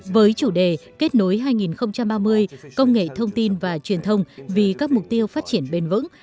với chủ đề kết nối hai nghìn ba mươi công nghệ thông tin và truyền thông vì các mục tiêu phát triển bền vững